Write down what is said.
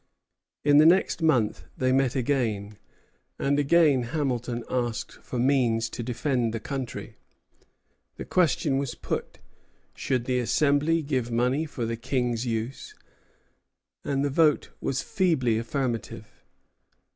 In the next month they met again, and again Hamilton asked for means to defend the country. The question was put, Should the Assembly give money for the King's use? and the vote was feebly affirmative.